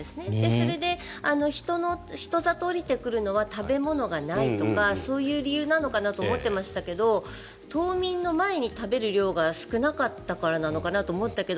それで人里に下りてくるのは食べ物がないとかそういう理由なのかなと思ってましたけど冬眠の前に食べる量が少なかったからかなとも思ったけど。